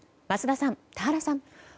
桝田さん、田原さん。